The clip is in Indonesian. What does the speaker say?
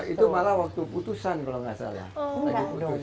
itu malah waktu putusan kalau nggak salah